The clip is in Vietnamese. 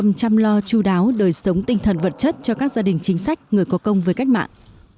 tâm chăm lo chú đáo đời sống tinh thần vật chất cho các gia đình chính sách người có công với cách mạng